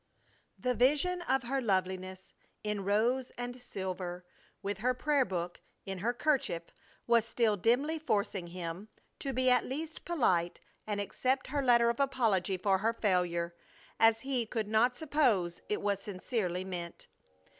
The vision of her loveliness in rose and silver, with her prayer book "in her 'kerchief" was still dimly forcing him to be at least polite and accept her letter of apology for her failure, as he could but suppose it was sincerely meant.